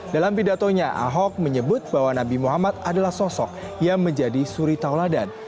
dalam pidatonya ahok menyebut bahwa nabi muhammad adalah sosok yang menjadi suri tauladan